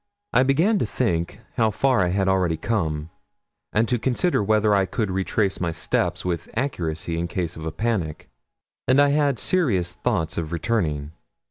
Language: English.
I began to think how far I had already come, and to consider whether I could retrace my steps with accuracy in case of a panic, and I had serious thoughts of returning.